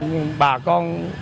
nhưng bà con